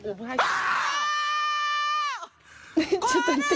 アイちょっと待って。